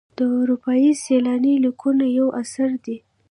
د اروپایي سیلاني لیکونه یو اثر دی.